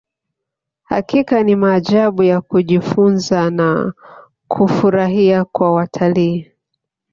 hakika ni maajabu ya kujifunza na kufurahia kwa watalii